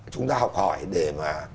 chúng ta học hỏi để mà